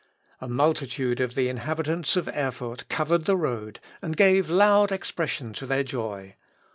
A multitude of the inhabitants of Erfurt covered the road, and gave loud expression to their joy.